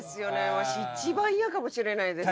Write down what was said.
わし一番嫌かもしれないです。